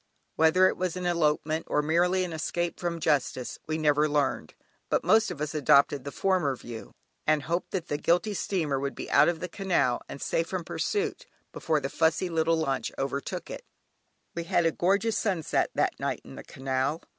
Whether it was an elopement or merely an escape from justice we never learned, but most of us adopted the former view, and hoped that the guilty steamer would be out of the canal and safe from pursuit, before the fussy little launch overtook it. We had a gorgeous sunset that night in the canal.